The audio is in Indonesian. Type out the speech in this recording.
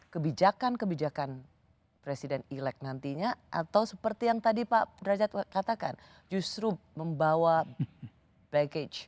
kebijakan kebijakan presiden elek nantinya atau seperti yang tadi pak derajat katakan justru membawa package